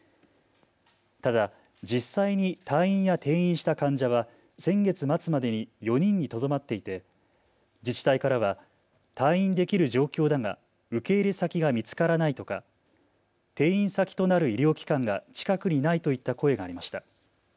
ただ実際に退院や転院した患者は先月末までに４人にとどまっていて自治体からは退院できる状況だが受け入れ先が見つからないとか転院先となる医療機関が近くにないといった声がありました。